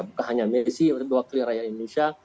bukan hanya mnc tapi wakil rakyat indonesia